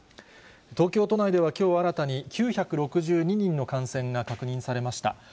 東京都内ではきょう新たに９６２人の感染が確認されました。